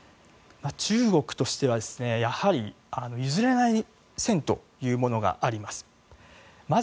中国としては譲れない線というものがあります。